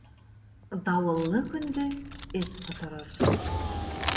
Дауыллы көндө эт ҡоторор.